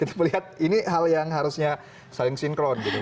kita melihat ini hal yang harusnya saling sinkron gitu